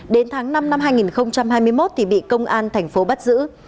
đến tháng năm năm hai nghìn hai mươi một thì bị công an tp bắt giữ